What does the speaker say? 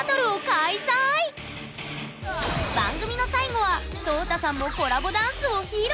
番組の最後はＳＯＴＡさんもコラボダンスを披露！